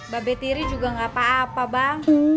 babe tiri juga gak apa apa bang